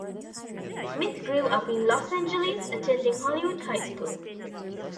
Smith grew up in Los Angeles, attending Hollywood High School.